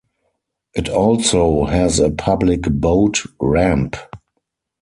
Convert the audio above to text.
It also has a public boat ramp.